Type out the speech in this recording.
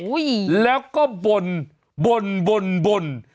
อุ้ยแล้วก็บ่นบ่นบ่นบ่น